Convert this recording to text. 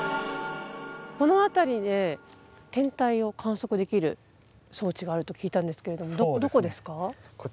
この辺りで天体を観測できる装置があると聞いたんですけれどもどこですか？